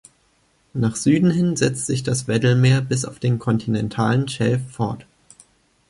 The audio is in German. Nach Süden hin setzt sich das Weddell-Meer bis auf den kontinentalen Schelf fort.